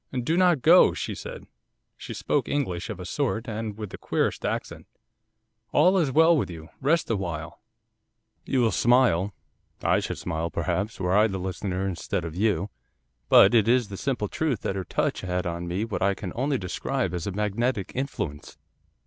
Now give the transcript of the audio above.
'"Do not go," she said; she spoke English of a sort, and with the queerest accent. "All is well with you. Rest awhile." 'You will smile, I should smile, perhaps, were I the listener instead of you, but it is the simple truth that her touch had on me what I can only describe as a magnetic influence.